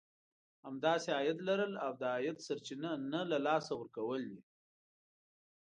همداسې عايد لرل او د عايد سرچينه نه له لاسه ورکول دي.